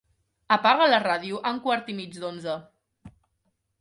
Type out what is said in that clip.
Apaga la ràdio a un quart i mig d'onze.